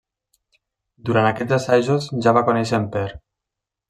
Durant aquests assajos ja va conèixer en Per.